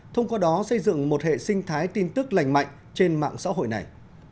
thông qua đó xây dựng một hệ sinh thái tin tức lành mạnh trên mạng xã hội này